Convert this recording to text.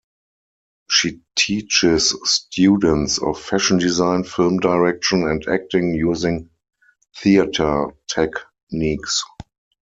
She teaches students of fashion design, film direction and acting, using theatre techniques.